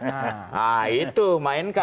nah itu mainkan